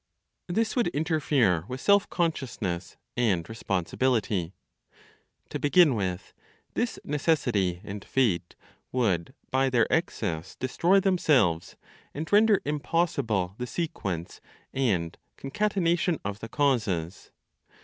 " THIS WOULD INTERFERE WITH SELF CONSCIOUSNESS AND RESPONSIBILITY. To begin with, this Necessity and Fate would by their excess destroy themselves, and render impossible the sequence and concatenation of the causes.